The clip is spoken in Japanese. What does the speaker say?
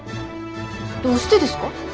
どうしてですか？